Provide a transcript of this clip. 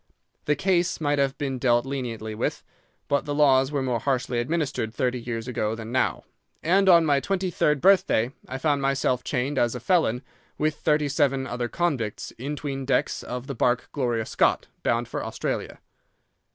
The case might have been dealt leniently with, but the laws were more harshly administered thirty years ago than now, and on my twenty third birthday I found myself chained as a felon with thirty seven other convicts in 'tween decks of the barque Gloria Scott, bound for Australia.